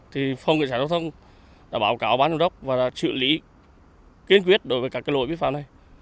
thì phòng cảnh sát giao thông đã báo cáo bán đồng đốc và xử lý kiên quyết đối với các lỗi vi phạm này